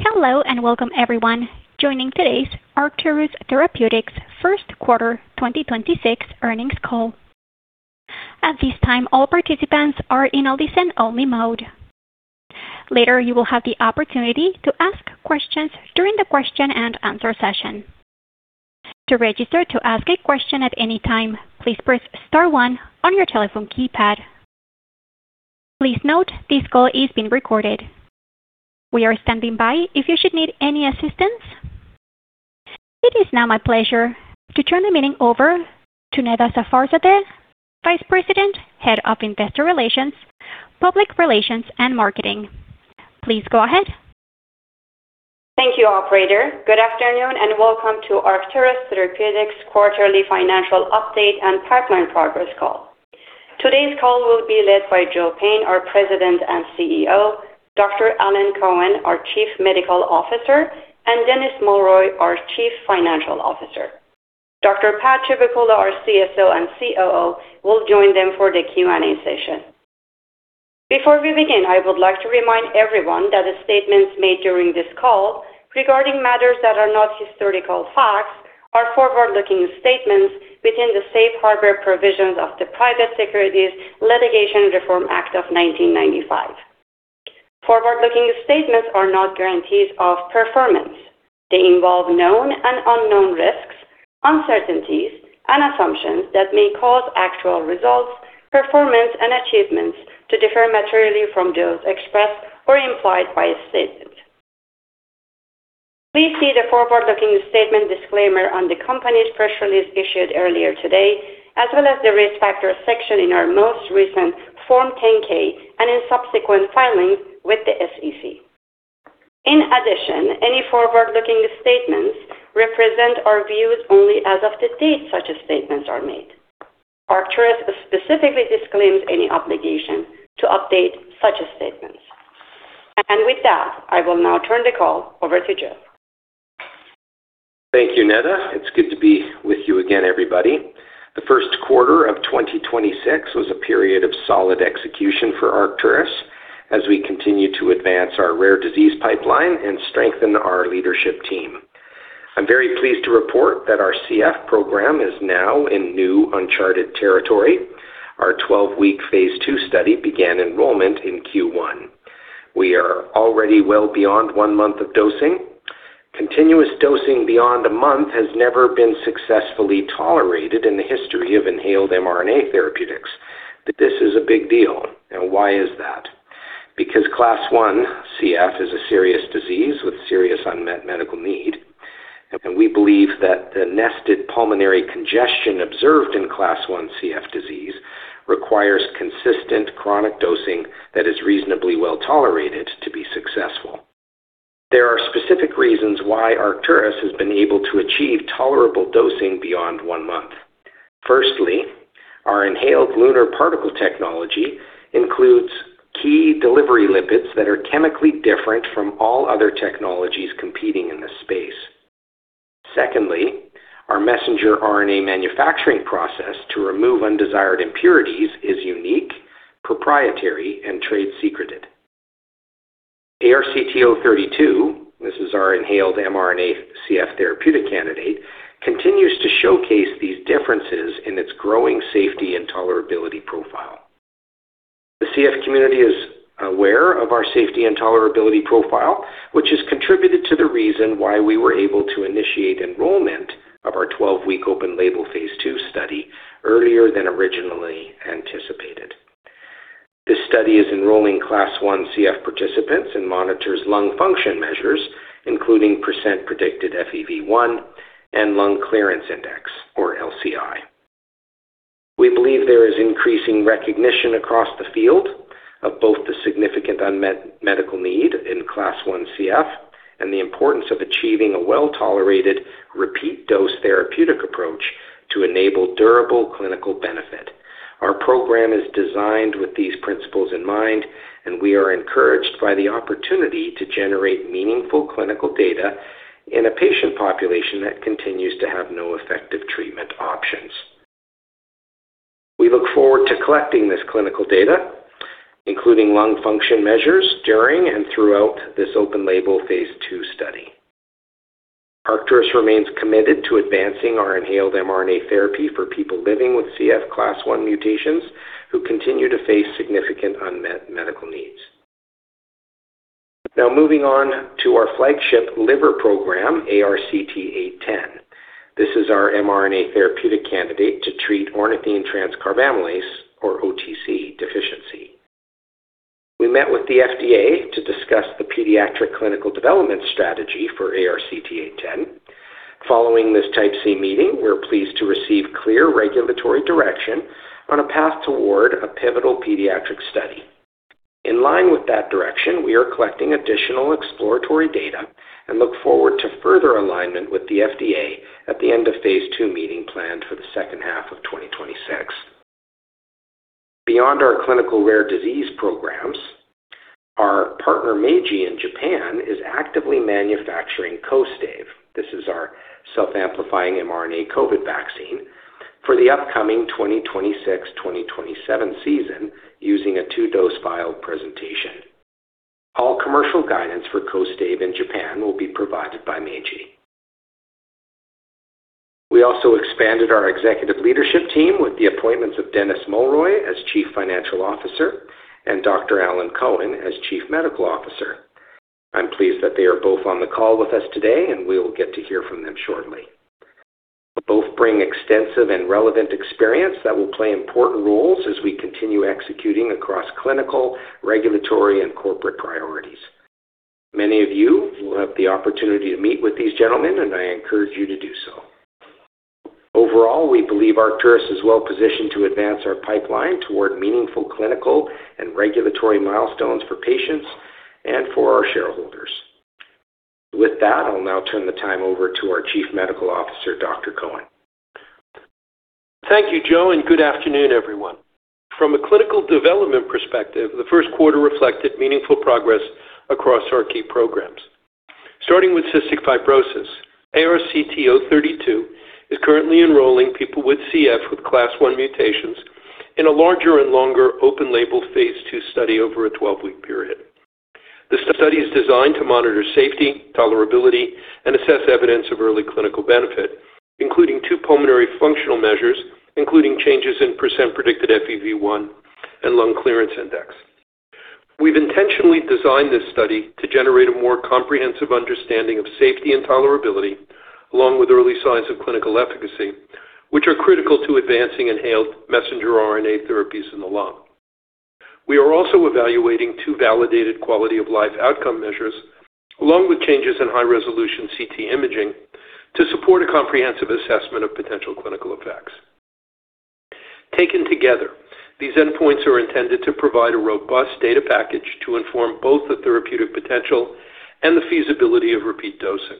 Hello, and welcome everyone joining today's Arcturus Therapeutics first quarter 2026 earnings call. At this time, all participants are in a listen-only mode. Later, you will have the opportunity to ask questions during the question-and-answer session. Please note, this call is being recorded. It is now my pleasure to turn the meeting over to Neda Safarzadeh, Vice President, Head of Investor Relations, Public Relations and Marketing. Please go ahead. Thank you, operator. Good afternoon. Welcome to Arcturus Therapeutics' quarterly financial update and pipeline progress call. Today's call will be led by Joe Payne, our President and Chief Executive Officer, Dr. Alan Cohen, our Chief Medical Officer, and Dennis Mulroy, our Chief Financial Officer. Dr. Pad Chivukula, our Chief Scientific Officer and Chief Operating Officer, will join them for the Q&A session. Before we begin, I would like to remind everyone that the statements made during this call regarding matters that are not historical facts are forward-looking statements within the safe harbor provisions of the Private Securities Litigation Reform Act of 1995. Forward-looking statements are not guarantees of performance. They involve known and unknown risks, uncertainties, and assumptions that may cause actual results, performance, and achievements to differ materially from those expressed or implied by a statement. Please see the forward-looking statement disclaimer on the company's press release issued earlier today, as well as the Risk Factors section in our most recent Form 10-K and in subsequent filings with the SEC. In addition, any forward-looking statements represent our views only as of the date such statements are made. Arcturus specifically disclaims any obligation to update such statements. With that, I will now turn the call over to Joe. Thank you, Neda. It's good to be with you again, everybody. The first quarter of 2026 was a period of solid execution for Arcturus as we continue to advance our rare disease pipeline and strengthen our leadership team. I'm very pleased to report that our CF program is now in new uncharted territory. Our 12-week phase II study began enrollment in Q1. We are already well beyond one month of dosing. Continuous dosing beyond a month has never been successfully tolerated in the history of inhaled mRNA therapeutics. This is a big deal. Now, why is that? Because Class I CF is a serious disease with serious unmet medical need, and we believe that the nested pulmonary congestion observed in Class I CF disease requires consistent chronic dosing that is reasonably well-tolerated to be successful. There are specific reasons why Arcturus has been able to achieve tolerable dosing beyond one month. Firstly, our inhaled LUNAR particle technology includes key delivery lipids that are chemically different from all other technologies competing in this space. Secondly, our messenger RNA manufacturing process to remove undesired impurities is unique, proprietary, and trade secreted. ARCT-032, this is our inhaled mRNA CF therapeutic candidate, continues to showcase these differences in its growing safety and tolerability profile. The CF community is aware of our safety and tolerability profile, which has contributed to the reason why we were able to initiate enrollment of our 12-week open label phase II study earlier than originally anticipated. This study is enrolling Class I CF participants and monitors lung function measures, including percent predicted FEV1 and lung clearance index or LCI. We believe there is increasing recognition across the field of both the significant unmet medical need in Class I CF and the importance of achieving a well-tolerated repeat dose therapeutic approach to enable durable clinical benefit. Our program is designed with these principles in mind, and we are encouraged by the opportunity to generate meaningful clinical data in a patient population that continues to have no effective treatment options. We look forward to collecting this clinical data, including lung function measures during and throughout this open label phase II study. Arcturus remains committed to advancing our inhaled mRNA therapy for people living with CF Class I mutations who continue to face significant unmet medical needs. Now moving on to our flagship liver program, ARCT-810. This is our mRNA therapeutic candidate to treat ornithine transcarbamylase or OTC deficiency. We met with the FDA to discuss the pediatric clinical development strategy for ARCT-810. Following this Type C meeting, we were pleased to receive clear regulatory direction on a path toward a pivotal pediatric study. In line with that direction, we are collecting additional exploratory data and look forward to further alignment with the FDA at the end of phase II meeting planned for the second half of 2026. Beyond our clinical rare disease programs, our partner Meiji in Japan is actively manufacturing KOSTAIVE. This is our self-amplifying mRNA COVID vaccine for the upcoming 2026/2027 season using a two-dose file presentation. All commercial guidance for KOSTAIVE in Japan will be provided by Meiji. We also expanded our executive leadership team with the appointments of Dennis Mulroy as Chief Financial Officer and Dr. Alan Cohen as Chief Medical Officer. I'm pleased that they are both on the call with us today, and we will get to hear from them shortly. Both bring extensive and relevant experience that will play important roles as we continue executing across clinical, regulatory, and corporate priorities. Many of you will have the opportunity to meet with these gentlemen. I encourage you to do so. Overall, we believe Arcturus is well-positioned to advance our pipeline toward meaningful clinical and regulatory milestones for patients and for our shareholders. With that, I'll now turn the time over to our Chief Medical Officer, Dr. Cohen. Thank you, Joe, and good afternoon, everyone. From a clinical development perspective, the 1st quarter reflected meaningful progress across our key programs. Starting with cystic fibrosis, ARCT-032 is currently enrolling people with CF with Class I mutations in a larger and longer open label phase II study over a 12-week period. The study is designed to monitor safety, tolerability, and assess evidence of early clinical benefit, including two pulmonary functional measures, including changes in percent predicted FEV1 and lung clearance index. We've intentionally designed this study to generate a more comprehensive understanding of safety and tolerability, along with early signs of clinical efficacy, which are critical to advancing inhaled messenger RNA therapies in the lung. We are also evaluating two validated quality-of-life outcome measures along with changes in high-resolution CT imaging to support a comprehensive assessment of potential clinical effects. Taken together, these endpoints are intended to provide a robust data package to inform both the therapeutic potential and the feasibility of repeat dosing.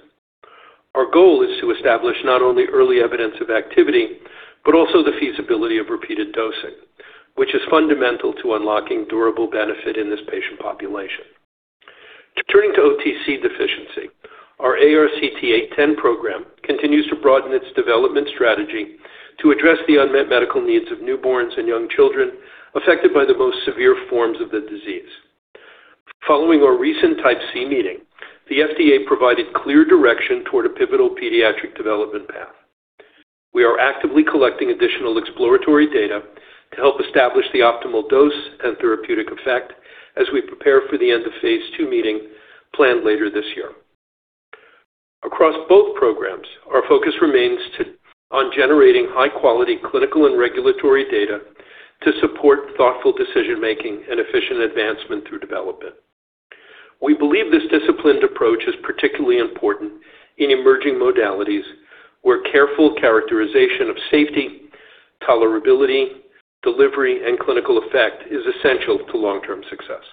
Our goal is to establish not only early evidence of activity, but also the feasibility of repeated dosing, which is fundamental to unlocking durable benefit in this patient population. Turning to OTC deficiency, our ARCT-810 program continues to broaden its development strategy to address the unmet medical needs of newborns and young children affected by the most severe forms of the disease. Following our recent Type C meeting, the FDA provided clear direction toward a pivotal pediatric development path. We are actively collecting additional exploratory data to help establish the optimal dose and therapeutic effect as we prepare for the end of phase II meeting planned later this year. Across both programs, our focus remains on generating high-quality clinical and regulatory data to support thoughtful decision-making and efficient advancement through development. We believe this disciplined approach is particularly important in emerging modalities where careful characterization of safety, tolerability, delivery, and clinical effect is essential to long-term success.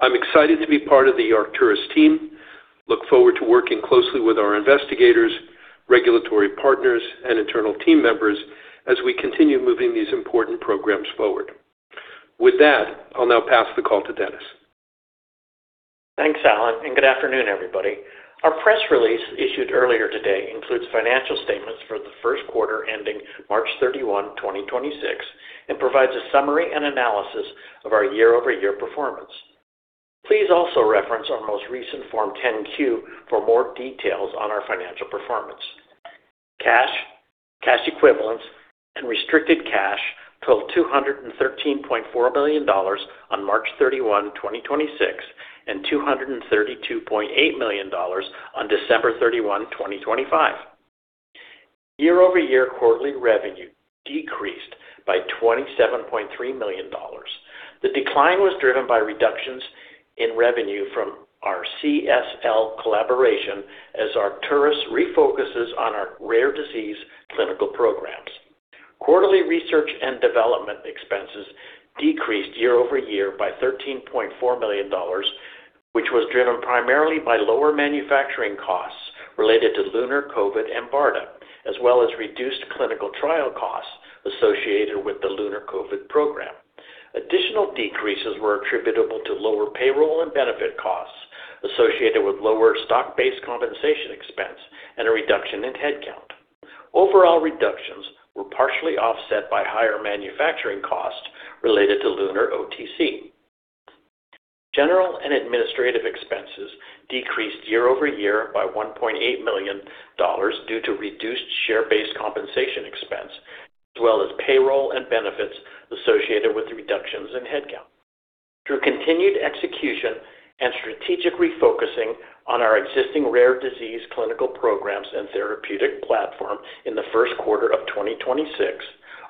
I'm excited to be part of the Arcturus team. Look forward to working closely with our investigators, regulatory partners, and internal team members as we continue moving these important programs forward. With that, I'll now pass the call to Dennis. Thanks, Alan, good afternoon everybody? Our press release issued earlier today includes financial statements for the first quarter ending March 31, 2026, and provides a summary and analysis of our year-over-year performance. Please also reference our most recent Form 10-Q for more details on our financial performance. Cash, cash equivalents and restricted cash totaled $213.4 million on March 31, 2026, and $232.8 million on December 31, 2025. Year-over-year quarterly revenue decreased by $27.3 million. The decline was driven by reductions in revenue from our CSL collaboration as Arcturus refocuses on our rare disease clinical programs. Quarterly research and development expenses decreased year-over-year by $13.4 million, which was driven primarily by lower manufacturing costs related to LUNAR-COV19 and BARDA, as well as reduced clinical trial costs associated with the LUNAR-COV19 program. Additional decreases were attributable to lower payroll and benefit costs associated with lower stock-based compensation expense and a reduction in headcount. Overall reductions were partially offset by higher manufacturing costs related to LUNAR-OTC. General and administrative expenses decreased year-over-year by $1.8 million due to reduced share-based compensation expense, as well as payroll and benefits associated with reductions in headcount. Through continued execution and strategic refocusing on our existing rare disease clinical programs and therapeutic platform in the first quarter of 2026,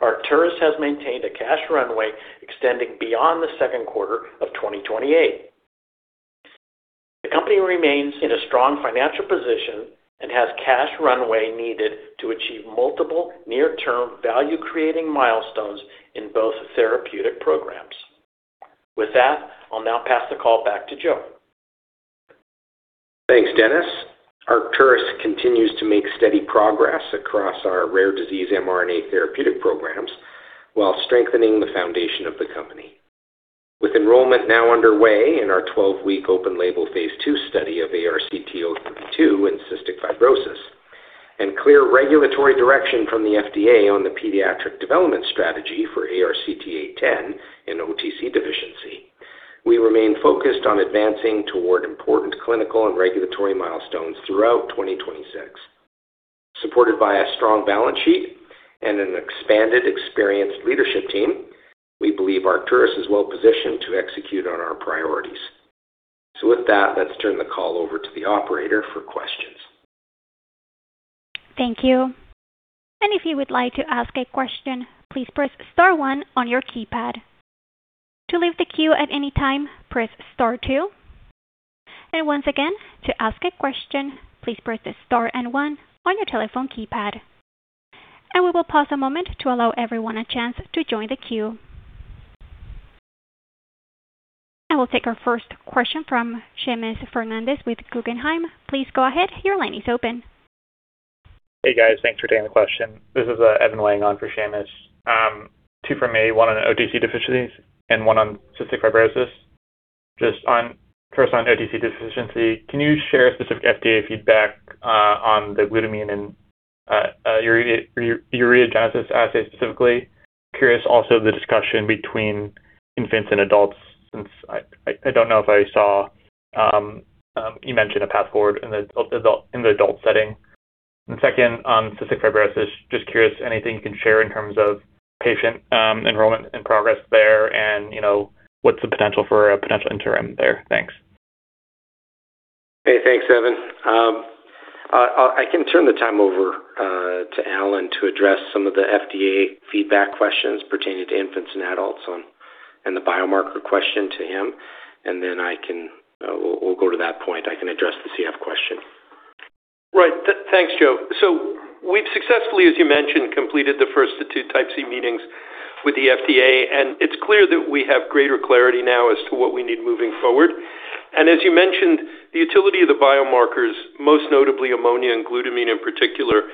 Arcturus has maintained a cash runway extending beyond the second quarter of 2028. The company remains in a strong financial position and has cash runway needed to achieve multiple near-term value-creating milestones in both therapeutic programs. With that, I'll now pass the call back to Joe. Thanks, Dennis. Arcturus continues to make steady progress across our rare disease mRNA therapeutic programs while strengthening the foundation of the company. With enrollment now underway in our 12-week open label phase II study of ARCT-032 in cystic fibrosis and clear regulatory direction from the FDA on the pediatric development strategy for ARCT-810 in OTC deficiency, we remain focused on advancing toward important clinical and regulatory milestones throughout 2026. Supported by a strong balance sheet and an expanded experienced leadership team, we believe Arcturus is well-positioned to execute on our priorities. With that, let's turn the call over to the operator for questions. Thank you. If you would like to ask a question, please press star one on your keypad. To leave the queue at any time, press star two. Once again, to ask a question, please press star and one on your telephone keypad. We will pause a moment to allow everyone a chance to join the queue. I will take our first question from Seamus Fernandez with Guggenheim. Please go ahead, your line is open. Hey, guys. Thanks for taking the question. This is Evan laying on for Seamus. Two for me, one on OTC deficiencies and one on cystic fibrosis. First on OTC deficiency, can you share specific FDA feedback on the glutamine and ureagenesis assay specifically? Curious also the discussion between infants and adults since I don't know if I saw you mention a path forward in the adult setting. Second, on cystic fibrosis, just curious, anything you can share in terms of patient enrollment and progress there and, you know, what's the potential for a potential interim there? Thanks. Hey, thanks, Evan. I can turn the time over to Alan to address some of the FDA feedback questions pertaining to infants and adults on and the biomarker question to him, and then I can we'll go to that point. I can address the CF question. Right. Thanks, Joe. We've successfully, as you mentioned, completed the first of two type C meetings with the FDA, and it's clear that we have greater clarity now as to what we need moving forward. As you mentioned, the utility of the biomarkers, most notably ammonia and glutamine in particular,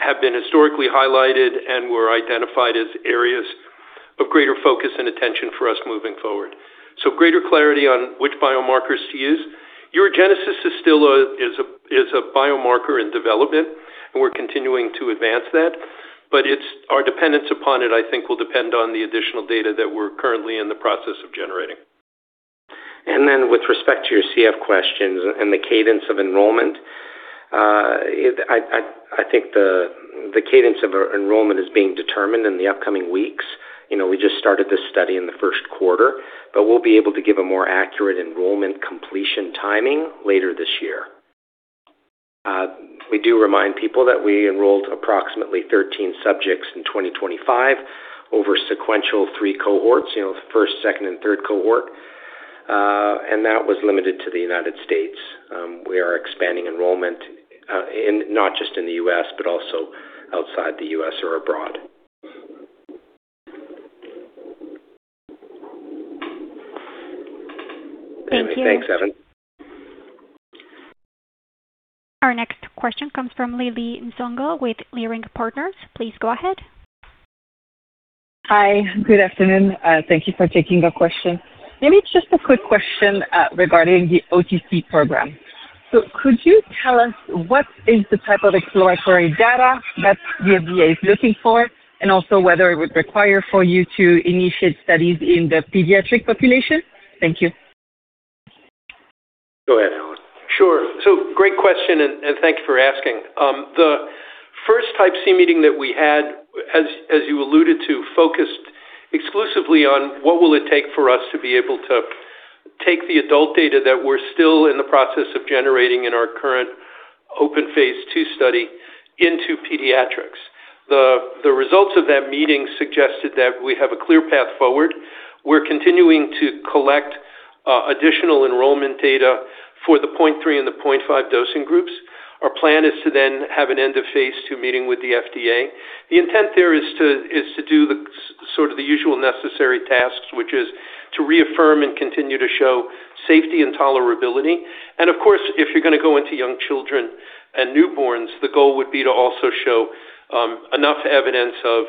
have been historically highlighted and were identified as areas of greater focus and attention for us moving forward. Greater clarity on which biomarkers to use. Ureagenesis is still a biomarker in development, and we're continuing to advance that. It's our dependence upon it, I think, will depend on the additional data that we're currently in the process of generating. Then with respect to your CF questions and the cadence of enrollment, I think the cadence of enrollment is being determined in the upcoming weeks. You know, we just started this study in the first quarter, but we'll be able to give a more accurate enrollment completion timing later this year. We do remind people that we enrolled approximately 13 subjects in 2025 over sequential three cohorts, you know, the first, second and third cohort, and that was limited to the United States. We are expanding enrollment in not just in the U.S. but also outside the U.S. or abroad. Thank you. Thanks, Evan. Our next question comes from Lili Nsongo with Leerink Partners, please go ahead. Hi. Good afternoon. Thank you for taking our question. Maybe just a quick question regarding the OTC program. Could you tell us what is the type of exploratory data that the FDA is looking for and also whether it would require for you to initiate studies in the pediatric population? Thank you. Go ahead, Alan. Sure. Great question, and thank you for asking. The first Type C meeting that we had, as you alluded to, focused exclusively on what will it take for us to be able to take the adult data that we're still in the process of generating in our current open phase II study into pediatrics. The results of that meeting suggested that we have a clear path forward. We're continuing to collect additional enrollment data for the 0.3 mg/kg and the 0.5 mg/kg dosing groups. Our plan is to then have an end of phase II meeting with the FDA. The intent there is to do the sort of the usual necessary tasks, which is to reaffirm and continue to show safety and tolerability. Of course, if you're gonna go into young children and newborns, the goal would be to also show enough evidence of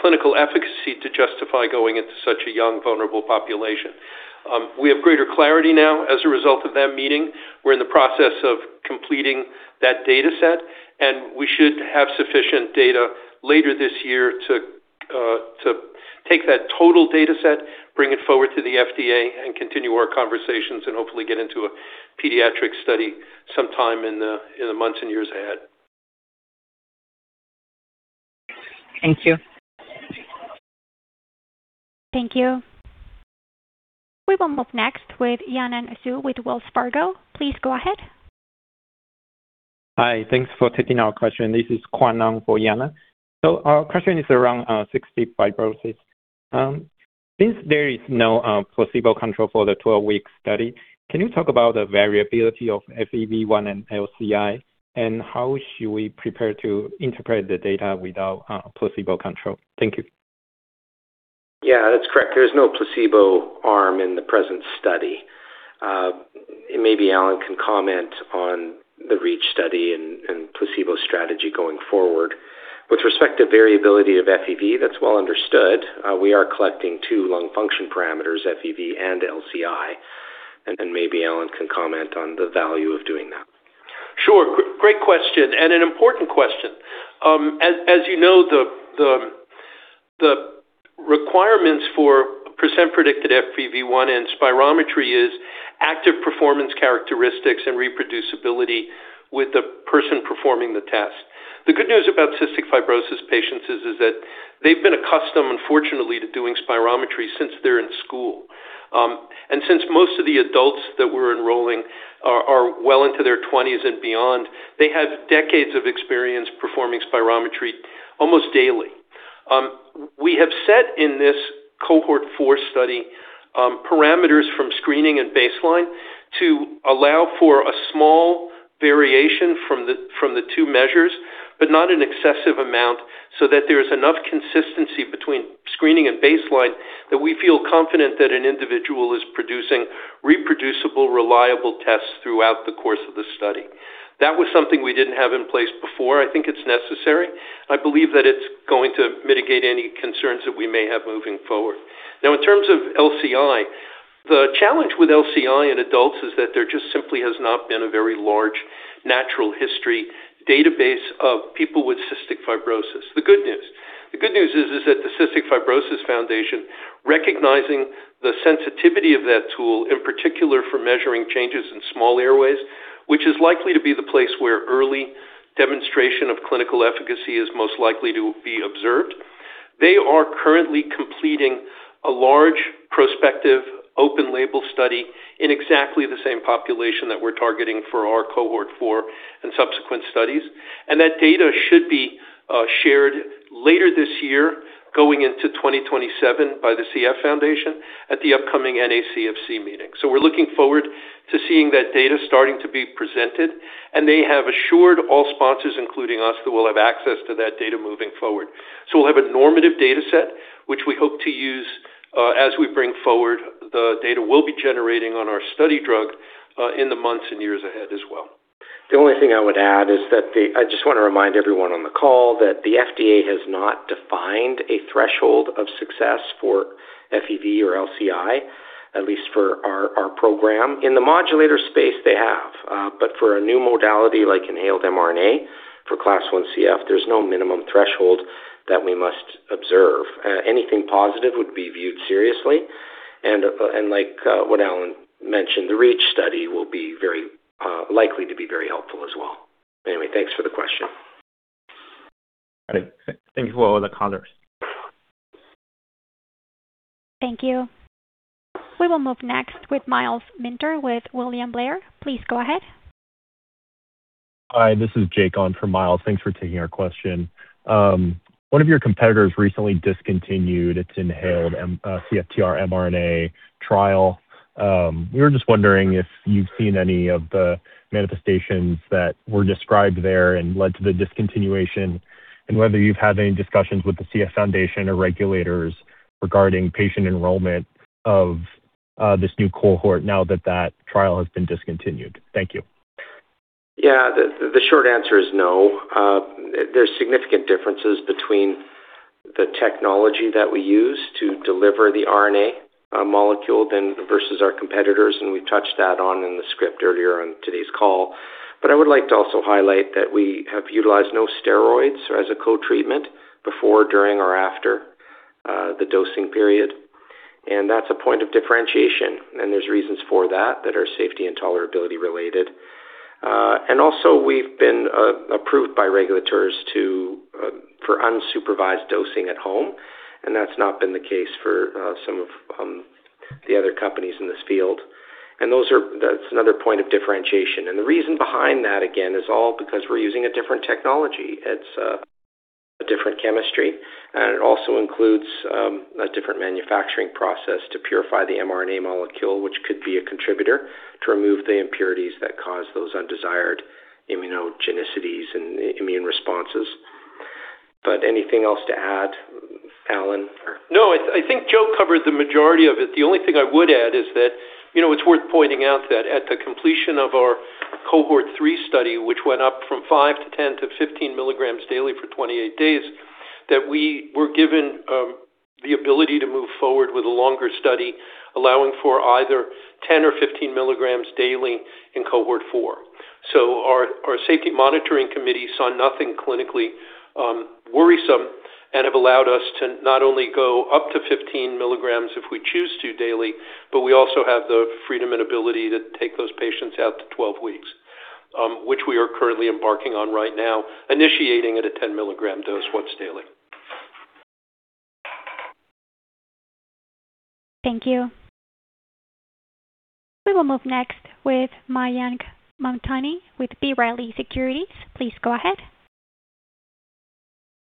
clinical efficacy to justify going into such a young, vulnerable population. We have greater clarity now as a result of that meeting. We're in the process of completing that data set, and we should have sufficient data later this year to take that total data set, bring it forward to the FDA and continue our conversations and hopefully get into a pediatric study sometime in the months and years ahead. Thank you. Thank you. We will move next with Yanan Xu with Wells Fargo, please go ahead. Hi. Thanks for taking our question. This is Kwan Ng for Yanan. Our question is around cystic fibrosis. Since there is no placebo control for the 12-week study, can you talk about the variability of FEV1 and LCI, and how should we prepare to interpret the data without placebo control? Thank you. Yeah, that's correct. There is no placebo arm in the present study. Maybe Alan can comment on the Reach study and placebo strategy going forward. With respect to variability of FEV, that's well understood. We are collecting two lung function parameters, FEV and LCI, and then maybe Alan can comment on the value of doing that. Sure. Great question, an important question. As you know, the requirements for percentage predicted FEV1 and spirometry is active performance characteristics and reproducibility with the person performing the test. The good news about cystic fibrosis patients is that they've been accustomed, unfortunately, to doing spirometry since they're in school. Since most of the adults that we're enrolling are well into their twenties and beyond, they have decades of experience performing spirometry almost daily. We have set in this cohort 4 study parameters from screening and baseline to allow for a small variation from the two measures, not an excessive amount, that there's enough consistency between screening and baseline that we feel confident that an individual is producing reproducible, reliable tests throughout the course of the study. That was something we didn't have in place before. I think it's necessary. I believe that it's going to mitigate any concerns that we may have moving forward. In terms of LCI, the challenge with LCI in adults is that there just simply has not been a very large natural history database of people with cystic fibrosis. The good news is that the Cystic Fibrosis Foundation, recognizing the sensitivity of that tool, in particular for measuring changes in small airways, which is likely to be the place where early demonstration of clinical efficacy is most likely to be observed. They are currently completing a large prospective open label study in exactly the same population that we're targeting for our cohort 4 and subsequent studies. That data should be shared later this year, going into 2027 by the CF Foundation at the upcoming NACFC meeting. We're looking forward to seeing that data starting to be presented, and they have assured all sponsors, including us, that we'll have access to that data moving forward. We'll have a normative dataset, which we hope to use as we bring forward the data we'll be generating on our study drug in the months and years ahead as well. The only thing I would add is that I just wanna remind everyone on the call that the FDA has not defined a threshold of success for FEV or LCI, at least for our program. In the modulator space, they have, for a new modality like inhaled mRNA for Class I CF, there's no minimum threshold that we must observe. Anything positive would be viewed seriously. Like what Alan mentioned, the Reach Study will be very likely to be very helpful as well. Anyway, thanks for the question. All right. Thank you for all the callers. Thank you. We will move next with Myles Minter with William Blair, please go ahead. Hi, this is Jake on for Myles. Thanks for taking our question. One of your competitors recently discontinued its inhaled CFTR mRNA trial. We were just wondering if you've seen any of the manifestations that were described there and led to the discontinuation, and whether you've had any discussions with the CF Foundation or regulators regarding patient enrollment of this new cohort now that that trial has been discontinued. Thank you. Yeah. The short answer is no. There's significant differences between the technology that we use to deliver the RNA molecule then versus our competitors, and we touched that on in the script earlier on today's call. I would like to also highlight that we have utilized no steroids as a co-treatment before, during, or after the dosing period. That's a point of differentiation, and there's reasons for that are safety and tolerability related. Also we've been approved by regulators to for unsupervised dosing at home, and that's not been the case for some of the other companies in this field. That's another point of differentiation. The reason behind that, again, is all because we're using a different technology. It's a different chemistry, it also includes a different manufacturing process to purify the mRNA molecule, which could be a contributor to remove the impurities that cause those undesired immunogenicities and immune responses. Anything else to add, Alan, or? No, I think Joe covered the majority of it. The only thing I would add is that, you know, it's worth pointing out that at the completion of our cohort 3 study, which went up from 5 mg to 10 mg to 15 mg daily for 28 days, that we were given the ability to move forward with a longer study allowing for either 10 mg or 15 mg daily in cohort 4. Our safety monitoring committee saw nothing clinically worrisome and have allowed us to not only go up to 15 mg if we choose to daily, but we also have the freedom and ability to take those patients out to 12 weeks, which we are currently embarking on right now, initiating at a 10-mg dose once daily. Thank you. We will move next with Mayank Mantani with B. Riley Securities, please go ahead.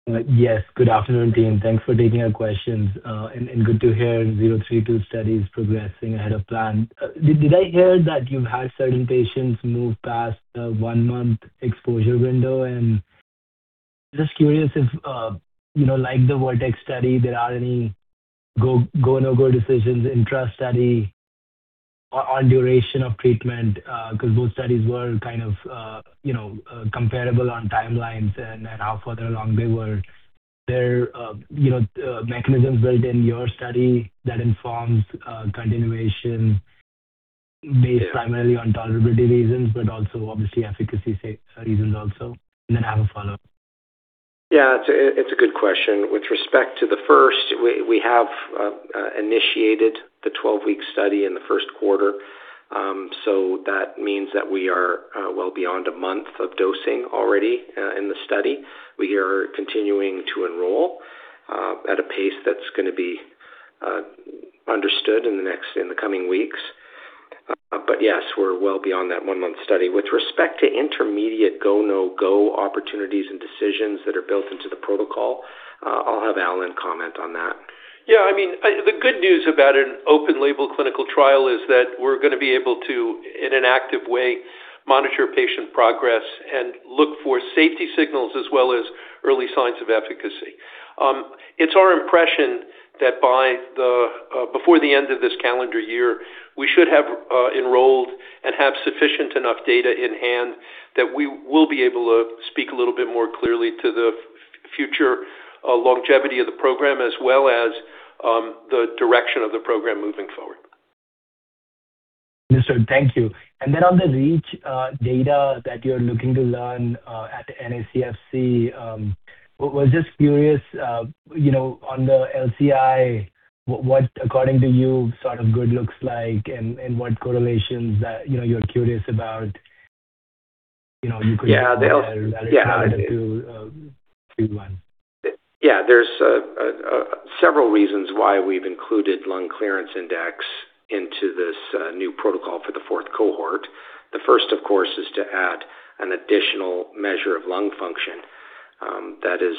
Yes, good afternoon, team. Thanks for taking our questions, and good to hear 032 study is progressing ahead of plan. Did I hear that you've had certain patients move past the one-month exposure window? Just curious if, you know, like the Vertex study, there are any go, no-go decisions intra-study on duration of treatment, 'cause those studies were kind of, you know, comparable on timelines and how further along they were. There, you know, mechanisms built in your study that informs continuation based primarily on tolerability reasons but also obviously efficacy reasons also. Then I have a follow-up. Yeah, it's a good question. With respect to the first, we have initiated the 12-week study in the first quarter, that means that we are well beyond a month of dosing already in the study. We are continuing to enroll at a pace that's gonna be understood in the coming weeks. Yes, we're well beyond that one-month study. With respect to intermediate go, no-go opportunities and decisions that are built into the protocol, I'll have Alan comment on that. Yeah, I mean, the good news about an open-label clinical trial is that we're gonna be able to, in an active way, monitor patient progress and look for safety signals as well as early signs of efficacy. It's our impression that by the before the end of this calendar year, we should have enrolled and have sufficient enough data in hand that we will be able to speak a little bit more clearly to the future longevity of the program as well as the direction of the program moving forward. Understood. Thank you. Then on the Reach data that you're looking to learn at NACFC, was just curious, you know, on the LCI, what according to you sort of good looks like and what correlations that, you know, you're curious about. Yeah. Yeah. To see one. There's several reasons why we've included lung clearance index into this new protocol for the fourth cohort. The first, of course, is to add an additional measure of lung function that is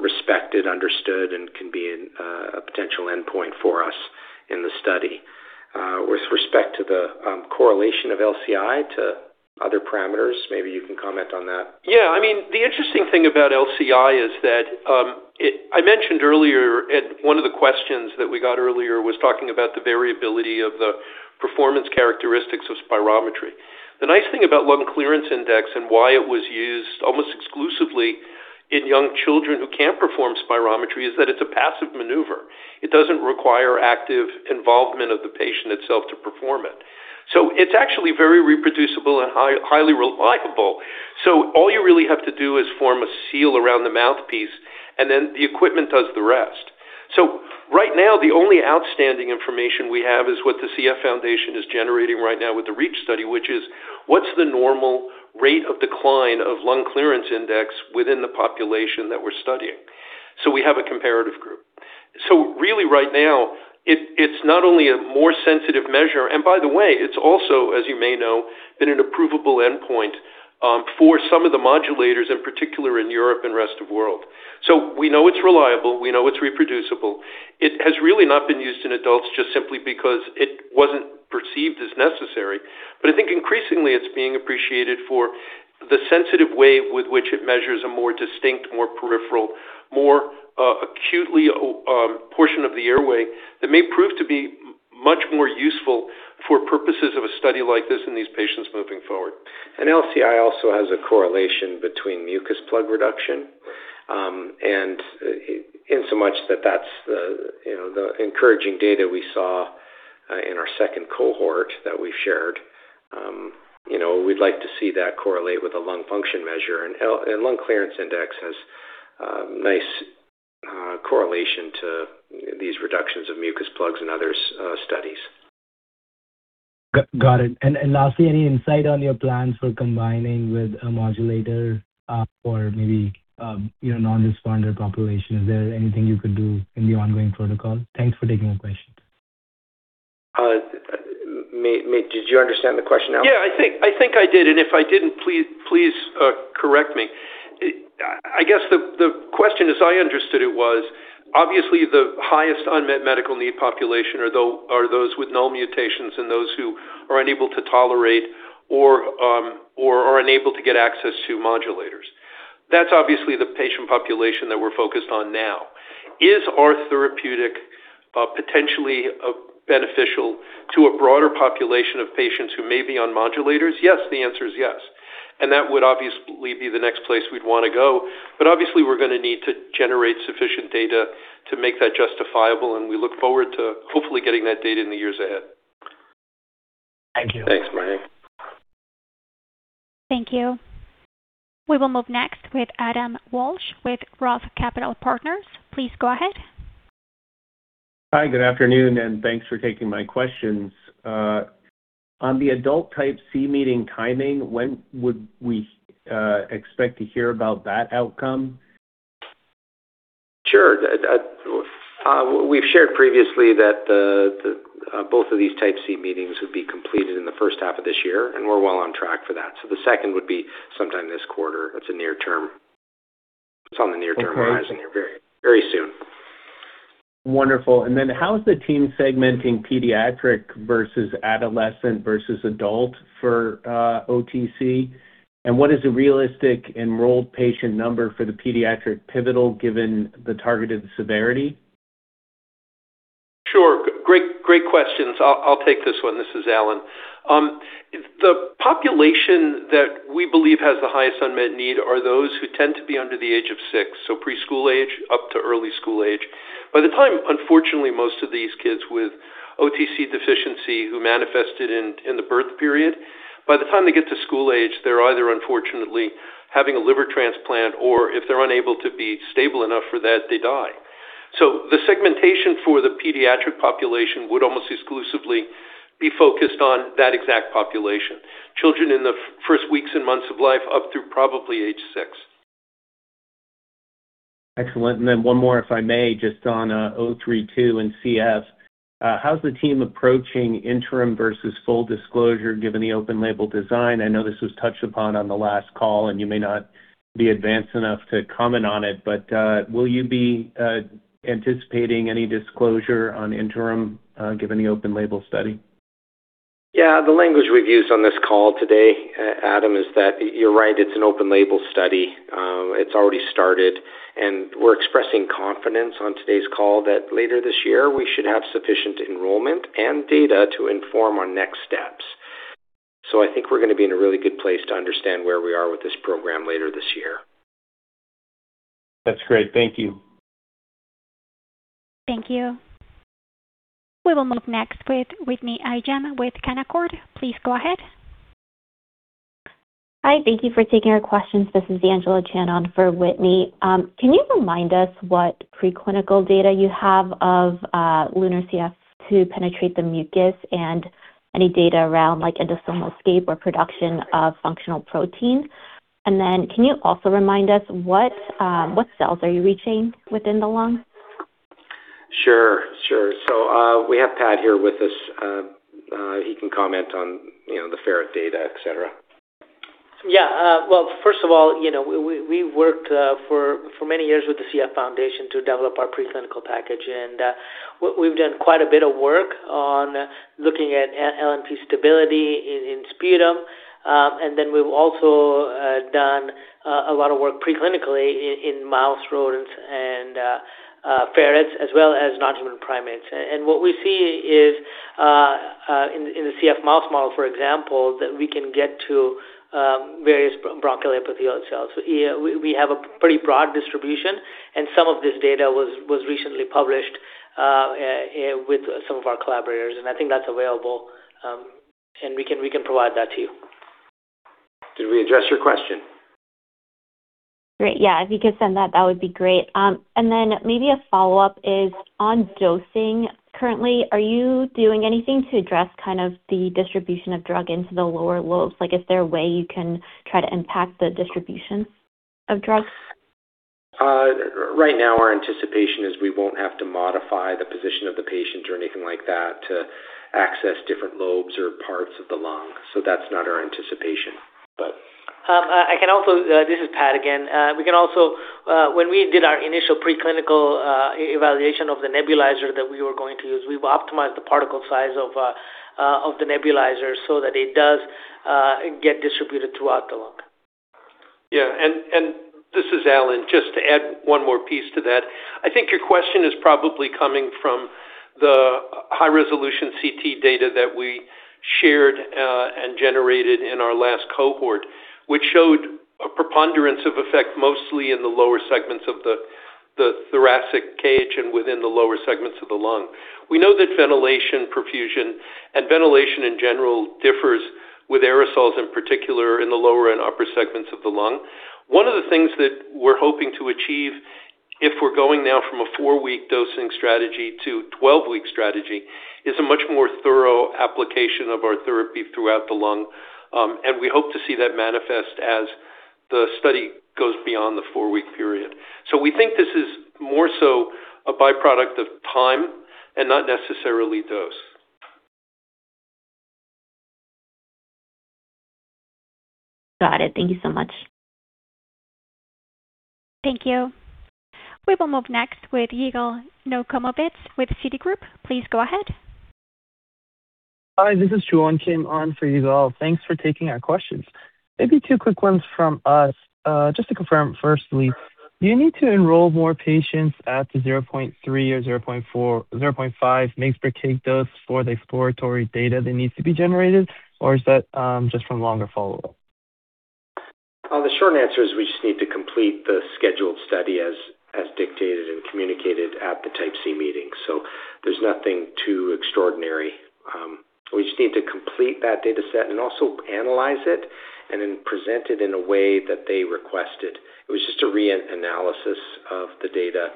respected, understood, and can be a potential endpoint for us in the study. With respect to the correlation of LCI to other parameters, maybe you can comment on that. Yeah, I mean, the interesting thing about LCI is that I mentioned earlier at one of the questions that we got earlier was talking about the variability of the performance characteristics of spirometry. The nice thing about lung clearance index and why it was used almost exclusively in young children who can't perform spirometry is that it's a passive maneuver. It doesn't require active involvement of the patient itself to perform it. It's actually very reproducible and highly reliable. All you really have to do is form a seal around the mouthpiece, and then the equipment does the rest. Right now, the only outstanding information we have is what the CF Foundation is generating right now with the Reach Study, which is what's the normal rate of decline of lung clearance index within the population that we're studying. We have a comparative group. Really right now, it's not only a more sensitive measure. By the way, it's also, as you may know, been an approvable endpoint for some of the modulators, in particular in Europe and rest of world. We know it's reliable. We know it's reproducible. It has really not been used in adults just simply because it wasn't perceived as necessary. I think increasingly it's being appreciated for the sensitive way with which it measures a more distinct, more peripheral, more acutely portion of the airway that may prove to be much more useful for purposes of a study like this in these patients moving forward. LCI also has a correlation between mucus plug reduction, and insomuch that that's the, you know, the encouraging data we saw in our second cohort that we've shared. You know, we'd like to see that correlate with a lung function measure. Lung clearance index has a nice correlation to these reductions of mucus plugs in others' studies. Got it. Lastly, any insight on your plans for combining with a modulator for maybe your non-responder population? Is there anything you could do in the ongoing protocol? Thanks for taking my questions. Did you understand the question, Alan? Yeah, I think I did. If I didn't, please correct me. I guess the question as I understood it was obviously the highest unmet medical need population are those with null mutations and those who are unable to tolerate or are unable to get access to modulators. That's obviously the patient population that we're focused on now. Is our therapeutic potentially beneficial to a broader population of patients who may be on modulators? Yes. The answer is yes. That would obviously be the next place we'd wanna go. Obviously, we're gonna need to generate sufficient data to make that justifiable, and we look forward to hopefully getting that data in the years ahead. Thank you. Thanks, Mayank. Thank you. We will move next with Adam Walsh with Roth Capital Partners, please go ahead. Hi, good afternoon, and thanks for taking my questions. On the adult Type C meeting timing, when would we expect to hear about that outcome? Sure. We've shared previously that the both of these Type C meetings would be completed in the first half of this year, and we're well on track for that. The second would be sometime this quarter. That's a near term. Okay. -horizon here very, very soon. Wonderful. Then how is the team segmenting pediatric versus adolescent versus adult for OTC? What is a realistic enrolled patient number for the pediatric pivotal given the targeted severity? Sure. Great, great questions. I'll take this one. This is Alan. The population that we believe has the highest unmet need are those who tend to be under the age of six, so preschool age up to early school age. By the time, unfortunately, most of these kids with OTC deficiency who manifested in the birth period, by the time they get to school age, they're either unfortunately having a liver transplant or if they're unable to be stable enough for that, they die. The segmentation for the pediatric population would almost exclusively be focused on that exact population, children in the first weeks and months of life up through probably age six. Excellent. One more, if I may, just on ARCT-032 and CF. How's the team approaching interim versus full disclosure given the open-label design? I know this was touched upon on the last call, and you may not be advanced enough to comment on it, will you be anticipating any disclosure on interim, given the open-label study? Yeah. The language we've used on this call today, Adam, is that you're right, it's an open-label study. It's already started, and we're expressing confidence on today's call that later this year we should have sufficient enrollment and data to inform our next steps. I think we're gonna be in a really good place to understand where we are with this program later this year. That's great. Thank you. Thank you. We will move next with Whitney Ijem with Canaccord, please go ahead. Hi. Thank you for taking our questions. This is Angela Qian on for Whitney Ijem. Can you remind us what preclinical data you have of LUNAR-CF to penetrate the mucus and any data around endosomal escape or production of functional protein? Can you also remind us what cells are you reaching within the lung? Sure. Sure. We have Pad here with us. He can comment on, you know, the ferret data, et cetera. Well, first of all, you know, we worked for many years with the CF Foundation to develop our preclinical package. And we've done quite a bit of work on looking at LNP stability in sputum. And then we've also done a lot of work preclinically in mouse rodents and ferrets as well as non-human primates. And what we see is in the CF mouse model, for example, that we can get to various bronchial epithelial cells. Yeah, we have a pretty broad distribution, and some of this data was recently published with some of our collaborators, and I think that's available. And we can provide that to you. Did we address your question? Great. Yeah. If you could send that would be great. Maybe a follow-up is on dosing currently, are you doing anything to address kind of the distribution of drug into the lower lobes? Like, is there a way you can try to impact the distribution of drugs? Right now our anticipation is we won't have to modify the position of the patient or anything like that to access different lobes or parts of the lung. That's not our anticipation. I can also. This is Pad again. We can also, when we did our initial preclinical evaluation of the nebulizer that we were going to use, we've optimized the particle size of the nebulizer so that it does get distributed throughout the lung. Yeah. This is Alan. Just to add one more piece to that. I think your question is probably coming from the high-resolution CT data that we shared and generated in our last cohort, which showed a preponderance of effect mostly in the lower segments of the thoracic cage and within the lower segments of the lung. We know that ventilation perfusion and ventilation in general differs with aerosols, in particular in the lower and upper segments of the lung. One of the things that we're hoping to achieve if we're going now from a four-week dosing strategy to 12-week strategy is a much more thorough application of our therapy throughout the lung. We hope to see that manifest as the four-week period. We think this is more so a byproduct of time and not necessarily dose. Got it. Thank you so much. Thank you. We will move next with Yigal Nochomovitz with Citigroup, please go ahead. Hi, this is Juwon Kim on for Yigal. Thanks for taking our questions. Maybe two quick ones from us. Just to confirm firstly, do you need to enroll more patients at the 0.3 mg/kg or 0.4 mg/kg, 0.5 mg/kg dose for the exploratory data that needs to be generated, or is that just from longer follow-up? The short answer is we just need to complete the scheduled study as dictated and communicated at the Type C meeting, so there's nothing too extraordinary. We just need to complete that data set and also analyze it and then present it in a way that they requested. It was just a re-analysis of the data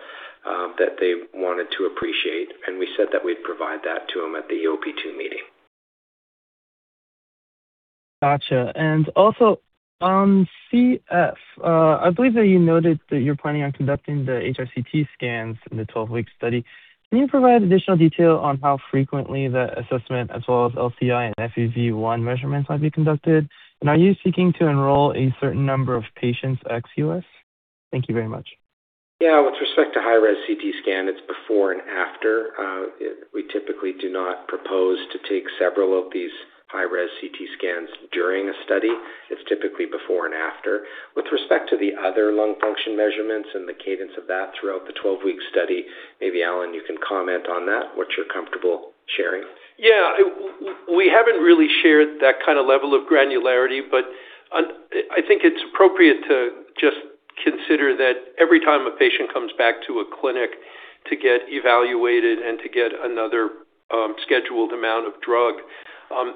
that they wanted to appreciate, and we said that we'd provide that to them at the EOP 2 meeting. Gotcha. Also on CF, I believe that you noted that you're planning on conducting the HRCT scans in the 12-week study. Can you provide additional detail on how frequently that assessment as well as LCI and FEV1 measurements might be conducted? Are you seeking to enroll a certain number of patients ex U.S.? Thank you very much. With respect to high-res CT scan, it's before and after. We typically do not propose to take several of these high-res CT scans during a study. It's typically before and after. With respect to the other lung function measurements and the cadence of that throughout the 12-week study, maybe, Alan, you can comment on that, what you're comfortable sharing. Yeah. We haven't really shared that kind of level of granularity, but I think it's appropriate to just consider that every time a patient comes back to a clinic to get evaluated and to get another scheduled amount of drug,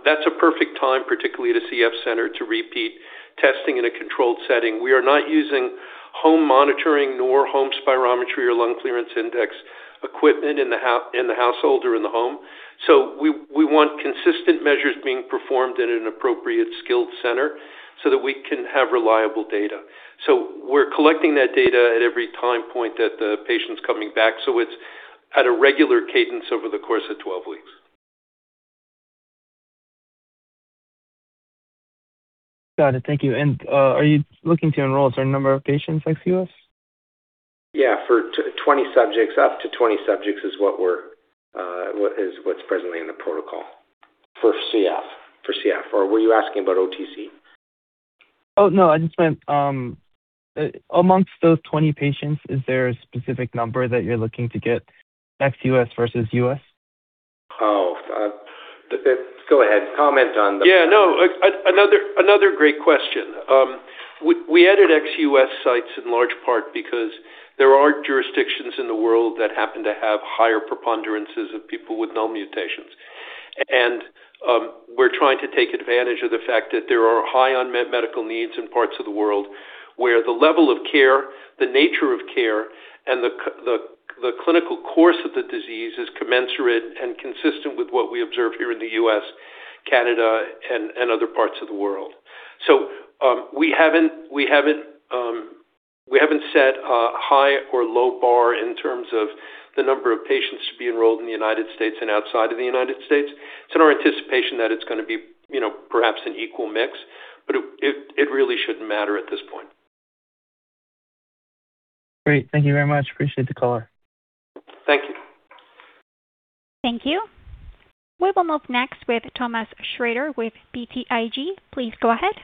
that's a perfect time, particularly at a CF center, to repeat testing in a controlled setting. We are not using home monitoring nor home spirometry or lung clearance index equipment in the household or in the home. We want consistent measures being performed in an appropriate skilled center so that we can have reliable data. We're collecting that data at every time point that the patient's coming back, so it's at a regular cadence over the course of 12 weeks. Got it. Thank you. Are you looking to enroll a certain number of patients ex U.S.? Yeah. For 20 subjects. Up to 20 subjects is what we're, what's presently in the protocol. For CF, For CF. Were you asking about OTC? Oh, no, I just meant, amongst those 20 patients, is there a specific number that you're looking to get ex-U.S. versus U.S.? Oh, go ahead. Comment on. Yeah. No. Another great question. we added ex-U.S. sites in large part because there are jurisdictions in the world that happen to have higher preponderances of people with no mutations. we're trying to take advantage of the fact that there are high unmet medical needs in parts of the world where the level of care, the nature of care, and the clinical course of the disease is commensurate and consistent with what we observe here in the U.S., Canada, and other parts of the world. we haven't set a high or low bar in terms of the number of patients to be enrolled in the United States and outside of the United States. It's in our anticipation that it's gonna be, you know, perhaps an equal mix, but it, it really shouldn't matter at this point. Great. Thank you very much. Appreciate the color. Thank you. Thank you. We will move next with Thomas Shrader with BTIG, please go ahead.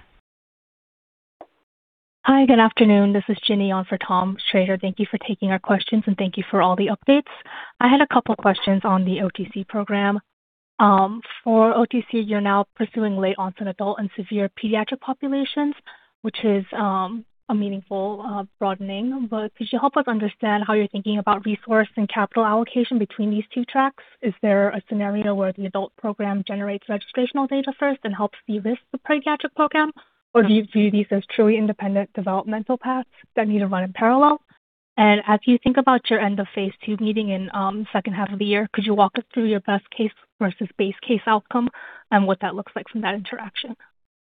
Hi. Good afternoon? This is Jenny on for Tom Shrader. Thank you for taking our questions, and thank you for all the updates. I had a couple questions on the OTC program. For OTC, you're now pursuing late-onset adult and severe pediatric populations, which is a meaningful broadening. Could you help us understand how you're thinking about resource and capital allocation between these two tracks? Is there a scenario where the adult program generates registrational data first and helps de-risk the pediatric program, or do you view these as truly independent developmental paths that need to run in parallel? As you think about your end of phase II meeting in second half of the year, could you walk us through your best case versus base case outcome and what that looks like from that interaction?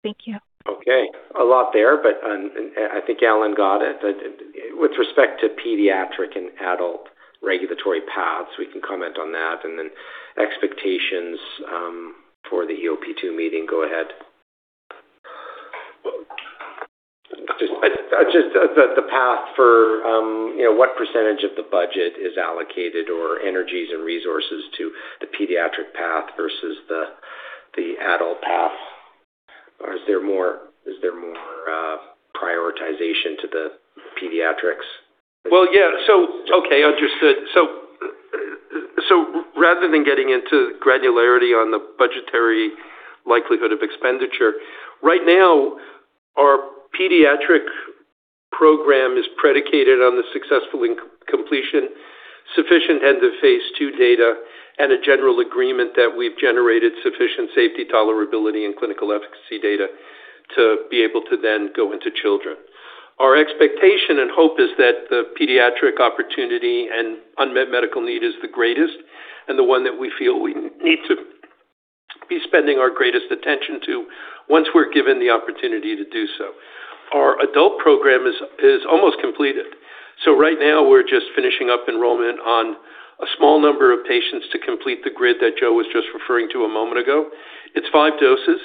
Thank you. Okay. A lot there. I think Alan got it. With respect to pediatric and adult regulatory paths, we can comment on that. Expectations for the EOP 2 meeting, go ahead. Just the path for, you know, what percentage of the budget is allocated or energies and resources to the pediatric path versus the adult path? Is there more prioritization to the pediatrics? Yeah. Okay, understood. Rather than getting into granularity on the budgetary likelihood of expenditure, right now our pediatric program is predicated on the successful completion, sufficient end of phase II data, and a general agreement that we've generated sufficient safety tolerability and clinical efficacy data to be able to then go into children. Our expectation and hope is that the pediatric opportunity and unmet medical need is the greatest and the one that we feel we need to be spending our greatest attention to once we're given the opportunity to do so. Our adult program is almost completed. Right now we're just finishing up enrollment on a small number of patients to complete the grid that Joe was just referring to a moment ago. It's five doses.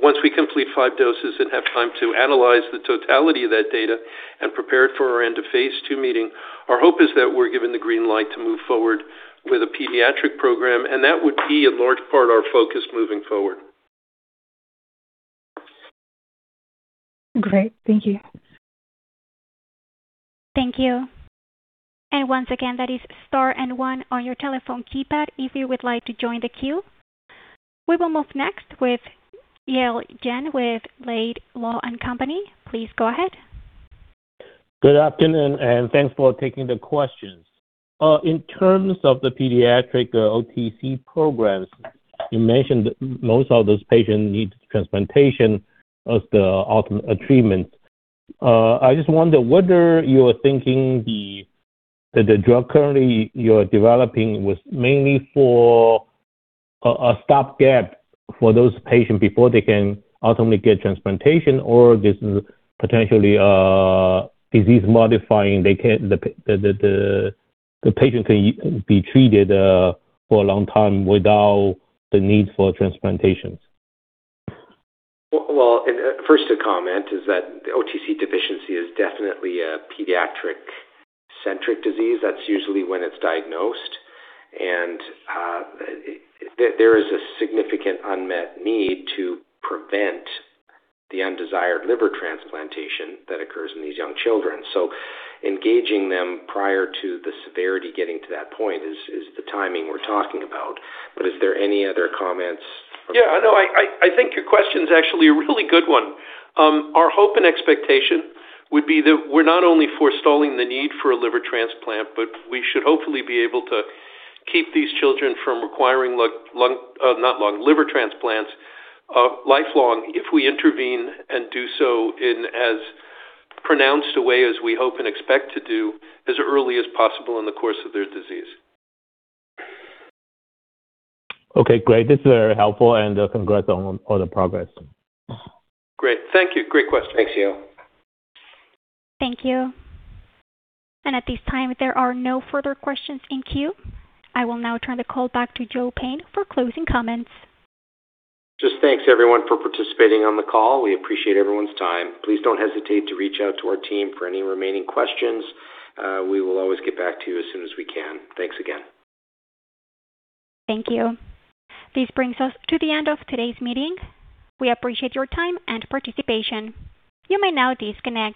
Once we complete five doses and have time to analyze the totality of that data and prepare it for our end of phase II meeting, our hope is that we're given the green light to move forward with a pediatric program, and that would be in large part our focus moving forward. Great. Thank you. Thank you. Once again, that is star and one on your telephone keypad if you would like to join the queue. We will move next with Yale Jen with Laidlaw & Company, please go ahead. Good afternoon? thanks for taking the questions. In terms of the pediatric OTC programs, you mentioned most of those patients need transplantation as the ultimate treatment. I just wonder whether you're thinking the The drug currently you're developing was mainly for a stopgap for those patients before they can ultimately get transplantation or this is potentially disease modifying. The patient can be treated for a long time without the need for transplantations. Well, first a comment is that OTC deficiency is definitely a pediatric-centric disease. That's usually when it's diagnosed. There is a significant unmet need to prevent the undesired liver transplantation that occurs in these young children. Engaging them prior to the severity getting to that point is the timing we're talking about. Is there any other comments from- Yeah, no. I think your question is actually a really good one. Our hope and expectation would be that we're not only forestalling the need for a liver transplant, but we should hopefully be able to keep these children from requiring not lung, liver transplants lifelong if we intervene and do so in as pronounced a way as we hope and expect to do as early as possible in the course of their disease. Okay, great. This is very helpful, and congrats on the progress. Great. Thank you. Great question. Thanks, Yale. Thank you. At this time, there are no further questions in queue. I will now turn the call back to Joe Payne for closing comments. Just thanks everyone for participating on the call. We appreciate everyone's time. Please don't hesitate to reach out to our team for any remaining questions. We will always get back to you as soon as we can. Thanks again. Thank you. This brings us to the end of today's meeting. We appreciate your time and participation, you may now disconnect.